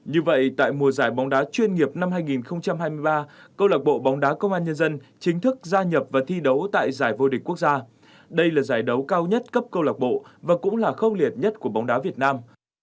như vậy tại mùa giải bóng đá chuyên nghiệp năm hai nghìn hai mươi ba câu lạc bộ bóng đá công an nhân dân chính thức gia nhập và thi đấu tại giải vô địch quốc gia đây là giải đấu cao nhất cấp câu lạc bộ và cũng là khốc liệt nhất của bóng đá việt nam